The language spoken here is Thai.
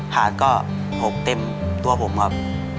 หาดก็หกเต็มตัวผมครับ